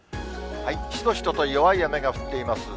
しとしとと弱い雨が降っています。